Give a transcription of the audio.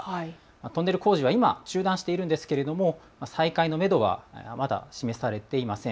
トンネル工事は今、中断しているんですけれども再開のめどはまだ示されていません。